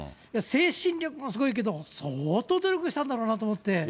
精神力もすごいけど、相当努力したんだろうなと思って。